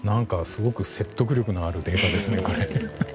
すごく説得力のあるデータですね。